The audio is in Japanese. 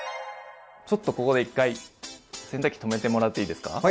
ちょっとここで１回洗濯機止めてもらっていいですか？